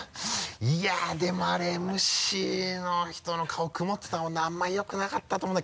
「いやっでもあれＭＣの人の顔曇ってたもんなあんまりよくなかったと思うんだ